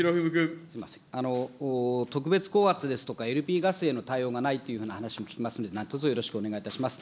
特別高圧ですとか、ＬＰガスへの対応がないという話を聞きますので、何とぞよろしくお願いします。